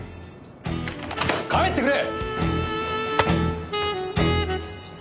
帰ってくれ！